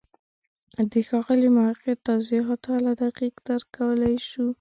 د ښاغلي محق توضیحات هله دقیق درک کولای شو.